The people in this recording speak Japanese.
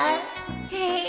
へえ